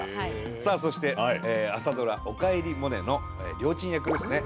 さあそして朝ドラ「おかえりモネ」のりょーちん役ですね。